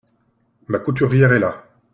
Ma couturière est là !